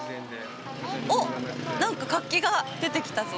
おっ、なんか活気が出てきたぞ。